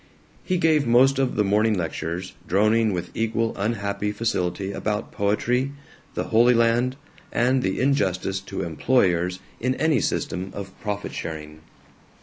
He gave most of the morning lectures, droning with equal unhappy facility about poetry, the Holy Land, and the injustice to employers in any system of profit sharing.